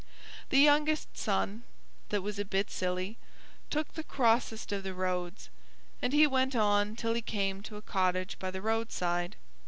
The youngest son, that was a bit silly, took the crossest of the roads, and he went on till he came to a cottage by the roadside.